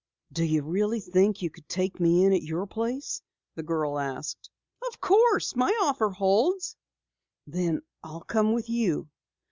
"Do you really think you could take me in at your place?" the girl asked. "Of course. My offer holds." "Then I'll come with you!"